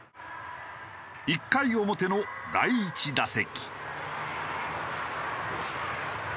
１回表の第１打席。